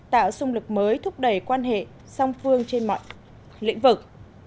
tạo xung lực mới thúc đẩy quan hệ song phương trên mọi lĩnh vực